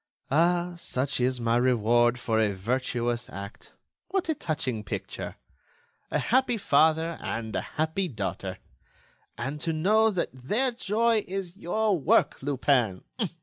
"Ah! Such is my reward for a virtuous act! What a touching picture! A happy father and a happy daughter! And to know that their joy is your work, Lupin!